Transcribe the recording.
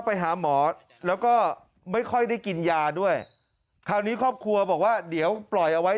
ไปหาหมอแล้วก็ไม่ค่อยได้กินยาด้วยคราวนี้ครอบครัวบอกว่าเดี๋ยวปล่อยเอาไว้